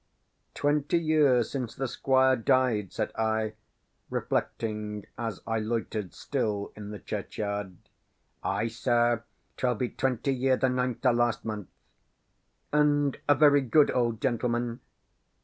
"Twenty years since the Squire died," said I, reflecting as I loitered still in the churchyard. "Ay, sir; 'twill be twenty year the ninth o' last month." "And a very good old gentleman?"